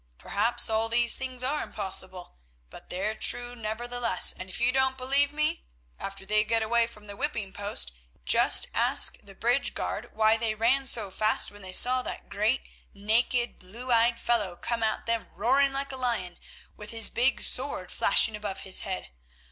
Perhaps all these things are impossible, but they're true nevertheless, and if you don't believe me, after they get away from the whipping post, just ask the bridge guard why they ran so fast when they saw that great, naked, blue eyed fellow come at them roaring like a lion, with his big sword flashing above his head.